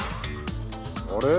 あれ？